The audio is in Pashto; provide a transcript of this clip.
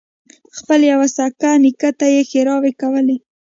خپل يوه سېک نیکه ته یې ښېراوې کولې.